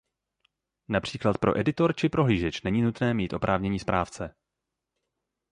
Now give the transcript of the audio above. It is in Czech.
Například pro editor či prohlížeč není nutné mít oprávnění správce.